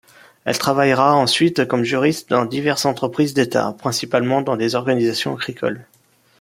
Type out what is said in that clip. Elle travaillera ensuite comme juriste dans diverses entreprises d'État, principalement dans des organisations agricoles.